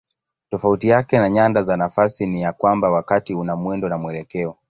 Tofauti yake na nyanda za nafasi ni ya kwamba wakati una mwendo na mwelekeo.